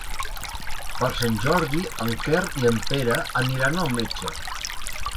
Per Sant Jordi en Quer i en Pere aniran al metge.